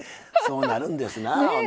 そうなるんですなあ